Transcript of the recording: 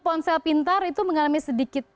ponsel pintar itu mengalami sedikit